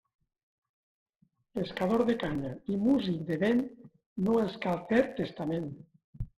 Pescador de canya i músic de vent, no els cal fer testament.